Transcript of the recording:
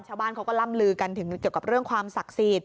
ชาวบ้านเขาก็ล่ำลือกันถึงเกี่ยวกับเรื่องความศักดิ์สิทธิ